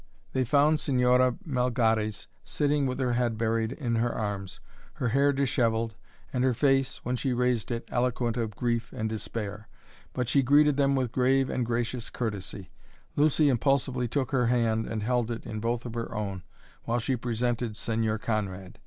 They found Señora Melgares sitting with her head buried in her arms, her hair dishevelled, and her face, when she raised it, eloquent of grief and despair. But she greeted them with grave and gracious courtesy. Lucy impulsively took her hand and held it in both her own while she presented Señor Conrad.